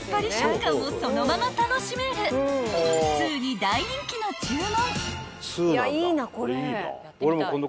［通に大人気の注文］